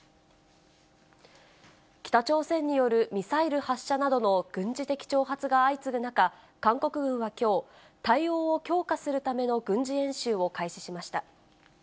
北朝鮮によるミサイル発射などの軍事的挑発が相次ぐ中、韓国軍はきょう、対応を強化するための軍事演習を開始しました。